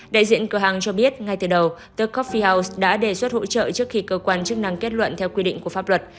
đại diện cửa hàng cho biết ngay từ đầu tecoffiels đã đề xuất hỗ trợ trước khi cơ quan chức năng kết luận theo quy định của pháp luật